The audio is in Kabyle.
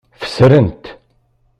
Fesren-t.